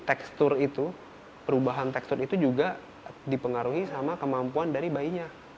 tekstur itu perubahan tekstur itu juga dipengaruhi sama kemampuan dari bayinya